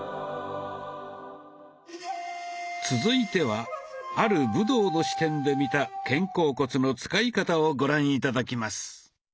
続いてはある武道の視点で見た「肩甲骨の使い方」をご覧頂きます。